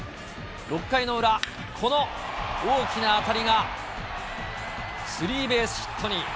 ６回の裏、この大きな当たりがスリーベースヒットに。